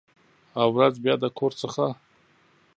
او، ورځ بیا د کور څخه